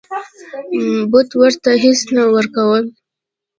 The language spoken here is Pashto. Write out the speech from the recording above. بت ورته هیڅ نه ورکول.